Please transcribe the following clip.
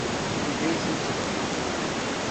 Anda ay tent-tregmeḍ?